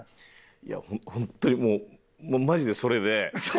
いやホントにもうマジでそれで。